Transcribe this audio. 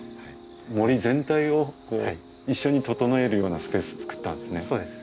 森全体をこう一緒にととのえるようなスペースつくったんですね。